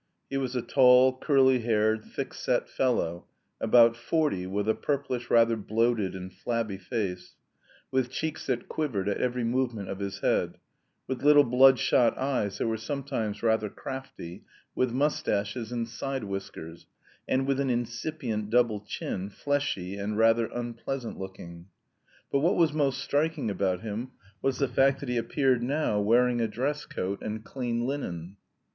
He was a tall, curly haired, thick set fellow about forty with a purplish, rather bloated and flabby face, with cheeks that quivered at every movement of his head, with little bloodshot eyes that were sometimes rather crafty, with moustaches and side whiskers, and with an incipient double chin, fleshy and rather unpleasant looking. But what was most striking about him was the fact that he appeared now wearing a dress coat and clean linen.